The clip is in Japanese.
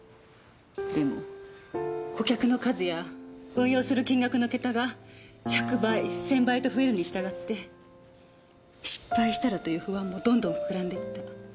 でも顧客の数や運用する金額の桁が１００倍１０００倍と増えるに従って失敗したらという不安もどんどん膨らんでいった。